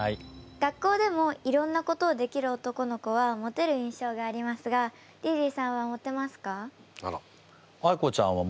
学校でもいろんなことをできる男の子はモテる印象がありますがリリーさんはモテますか？